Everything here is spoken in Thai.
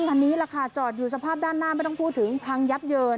คันนี้แหละค่ะจอดอยู่สภาพด้านหน้าไม่ต้องพูดถึงพังยับเยิน